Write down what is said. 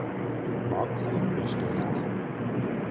Maxi besteht.